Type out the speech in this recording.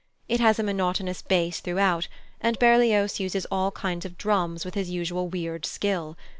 It has a monotonous bass throughout, and Berlioz uses all kinds of drums with his usual weird skill.